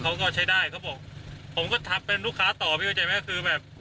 เขาบอกผมก็ถามเป็นลูกค้าต่อพี่เขาใจไหมคือแบบ